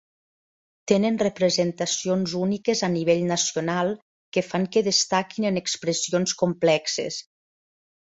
Tenen representacions úniques a nivell nacional que fan que destaquin en expressions complexes.